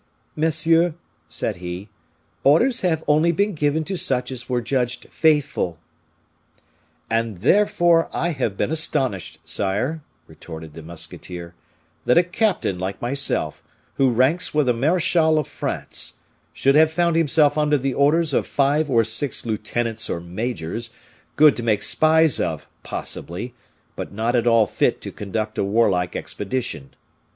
"Monsieur," said he, "orders have only been given to such as were judged faithful." "And, therefore, I have been astonished, sire," retorted the musketeer, "that a captain like myself, who ranks with a marechal of France, should have found himself under the orders of five or six lieutenants or majors, good to make spies of, possibly, but not at all fit to conduct a warlike expedition.